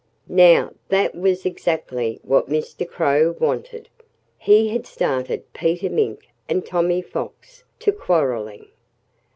"_ Now, that was exactly what Mr. Crow wanted. He had started Peter Mink and Tommy Fox to quarreling.